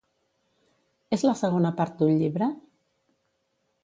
És la segona part d'un llibre?